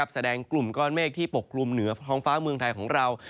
แสดงกลุ่มก้อนเมฆที่ปกลุ่มเหนือท้องฟ้าเมืองไทยของเรา